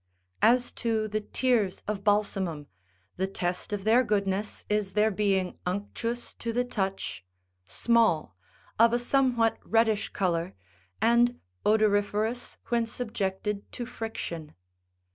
. As to the tears of balsamum, the test of their goodness is their being unctuous to the touch, small, of a somewhat reddish colour, and odoriferous when subjected to friction.